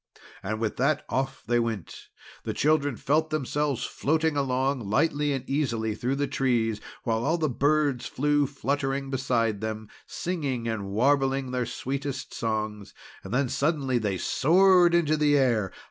And with that off they went! The children felt themselves floating along lightly and easily, through the trees; while all the birds flew fluttering beside them, singing and warbling their sweetest songs. Then suddenly up they soared into the air.